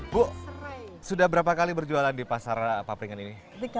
bu sudah berapa kali berjualan di pasar papringan ini